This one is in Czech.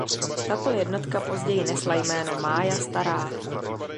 Tato jednotka později nesla jméno "Mája Stará".